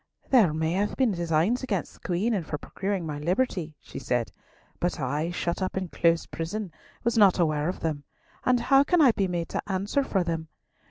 "There may have been designs against the Queen and for procuring my liberty," she said, "but I, shut up in close prison, was not aware of them, and how can I be made to answer for them?